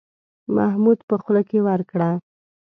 محمود په خوله کې ورکړه.